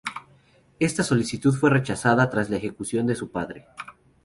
Esta solicitud fue rechazada tras la ejecución de su padre.